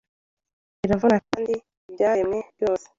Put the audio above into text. biravuna kandi ibyaremwe byose